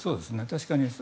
確かに。